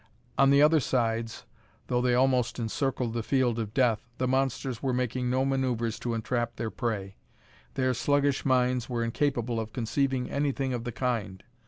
On the other sides, though they almost encircled the field of death, the monsters were making no maneuvers to entrap their prey. Their sluggish minds were incapable of conceiving anything of the kind.